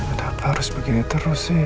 kenapa harus begini terus sih